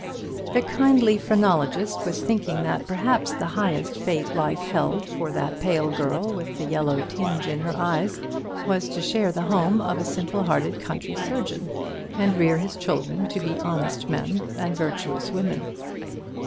The kindly phrenologist was thinking that perhaps the highest fate life held for that pale girl with the yellow tinge in her eyes was to share the home of a simple hearted country surgeon, and rear his children to be honest men and virtuous women.